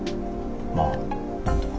まあなんとか。